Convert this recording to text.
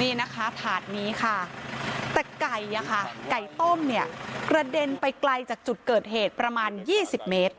นี่นะคะถาดนี้ค่ะแต่ไก่ต้มกระเด็นไปไกลจากจุดเกิดเหตุประมาณ๒๐เมตร